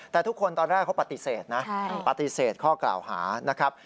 แต่ทุกคนตอนแรกเขาปฏิเสธนะปฏิเสธข้อกล่าวหานะครับ